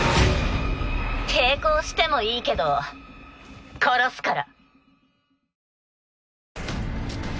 抵抗してもいいけど殺すから。